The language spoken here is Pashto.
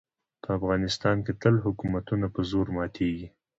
په افغانستان کې تل حکومتونه په زور ماتېږي.